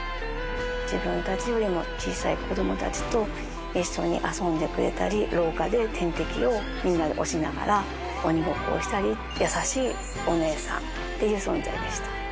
自分たちよりも小さい子どもたちと一緒に遊んでくれたり、廊下で点滴をみんなで押しながら、鬼ごっこをしたり、優しいお姉さんっていう存在でした。